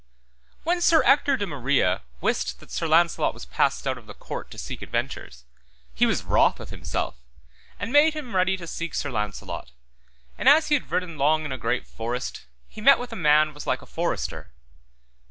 When Sir Ector de Maris wist that Sir Launcelot was passed out of the court to seek adventures, he was wroth with himself, and made him ready to seek Sir Launcelot, and as he had ridden long in a great forest he met with a man was like a forester.